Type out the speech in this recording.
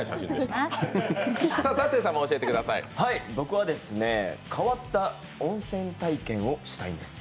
僕は変わった温泉体験をしたいんです。